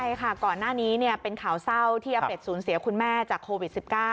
ใช่ค่ะก่อนหน้านี้เป็นข่าวเศร้าที่อาเป็ดสูญเสียคุณแม่จากโควิด๑๙